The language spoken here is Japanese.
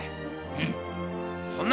うん。